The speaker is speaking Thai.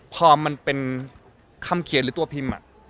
พอมันเป็นคำเขียนหรือตัวพิมพ์